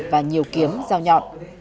và nhiều kiếm dao nhọn